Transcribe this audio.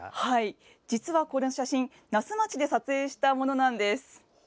実はこの写真、那須町で撮影したものなんです。